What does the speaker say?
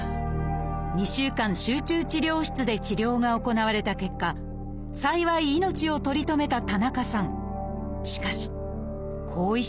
２週間集中治療室で治療が行われた結果幸い命を取り留めた田中さん。